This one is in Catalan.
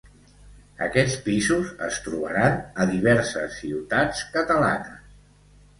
Aquests pisos es trobaran a diverses ciutats catalanes.